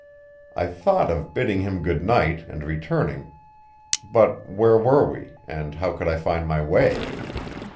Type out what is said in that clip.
I thought of bidding him good night and returning but where were we and how could I find my way?